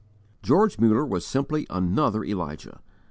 George Muller was simply another Elijah.